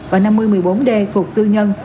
và năm mươi một mươi bốn d cục tư nhân